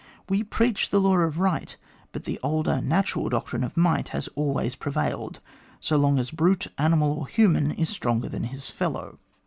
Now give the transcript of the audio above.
We preach the law of right ; but the older natural doctrine of might has always prevailed, so long as brute, animal or human, is stronger than his fellow.